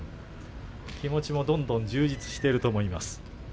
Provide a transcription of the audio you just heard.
気持ちもどんどんどんどん充実していると思います。